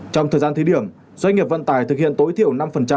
trong thời gian thí điểm doanh nghiệp vận tải thực hiện tối thiểu năm